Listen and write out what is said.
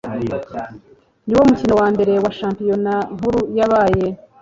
niwo mukino wambere wa Shampiyona Nkuru yabaye